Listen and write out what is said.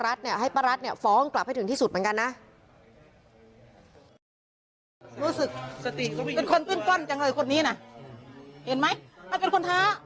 เวียนกรรมมีจริงบาปมีจริง